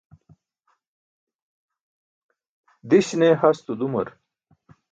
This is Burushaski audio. Diś ne hasto dumar.